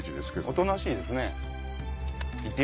おとなしいですね。